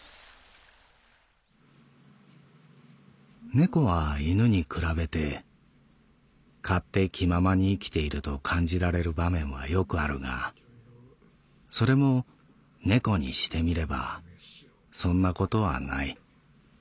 「猫は犬に比べて勝手気ままに生きていると感じられる場面はよくあるがそれも猫にしてみればそんなことはない。